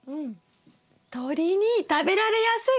鳥に食べられやすい！